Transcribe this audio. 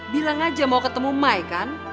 bilang aja mau ketemu mai kan